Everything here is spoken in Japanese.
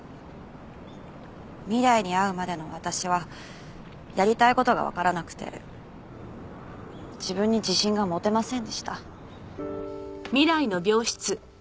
未来に会うまでの私はやりたい事がわからなくて自分に自信が持てませんでした。